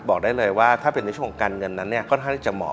บอกได้เลยว่าถ้าเป็นในช่วงการเงินนั้นเนี่ยค่อนข้างที่จะเหมาะ